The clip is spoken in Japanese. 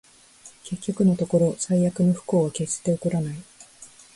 結局のところ、最悪の不幸は決して起こらない